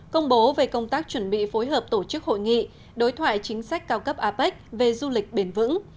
công bố về công tác chuẩn bị phối hợp tổ chức hội nghị đối thoại chính sách cao cấp apec về du lịch bền vững